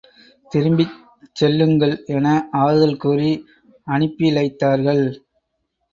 திரும்பிக் செல்லுங்கள் என ஆறுதல் கூறி அனுப்பிளைத்தார்கள்.